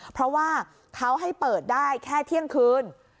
เพราะว่าเขาให้เปิดได้แค่เที่ยงคืน